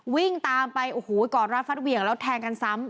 วิ่งตามไปโอ้โหกอดรัดฟัดเหวี่ยงแล้วแทงกันซ้ำ